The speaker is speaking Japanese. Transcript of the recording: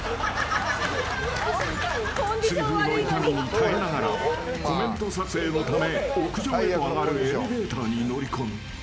痛風の痛みに耐えながらコメント撮影のため屋上へと上がるエレベーターに乗り込む。